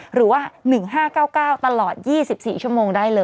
หรือว่า๑๕๙๙ตลอด๒๔ชั่วโมงได้เลย